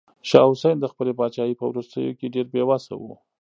شاه حسين د خپلې پاچاهۍ په وروستيو کې ډېر بې وسه و.